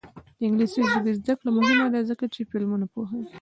د انګلیسي ژبې زده کړه مهمه ده ځکه چې فلمونه پوهوي.